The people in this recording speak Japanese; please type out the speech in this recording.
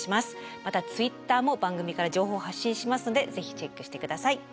またＴｗｉｔｔｅｒも番組から情報を発信しますのでぜひチェックして下さい。